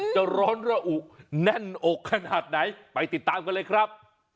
จะร้อนระอุแน่นอกขนาดไหนไปติดตามกันเลยครับ